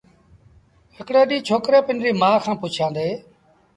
هڪڙي ڏيݩهݩ ڇوڪري پنڊريٚ مآ کآݩ پُڇيآݩدي